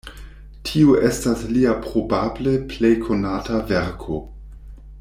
Tiu estas lia probable plej konata verko.